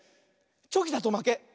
チョキだとまけ。